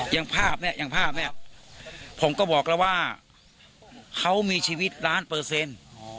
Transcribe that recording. อย่างภาพเนี่ยอย่างภาพเนี่ยผมก็บอกแล้วว่าเขามีชีวิตล้านเปอร์เซ็นต์